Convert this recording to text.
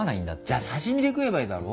じゃ刺し身で食えばいいだろ？